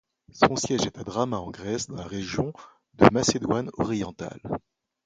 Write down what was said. Son siège est à Drama en Grèce, dans la région de Macédoine orientale.